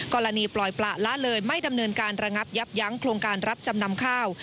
กรณีปล่อยประละเลยไม่ดำเนินการระงับยับยั้งโครงการรับจำนำข้าว